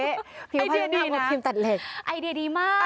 ไอเดียดีนะไอเดียดีมาก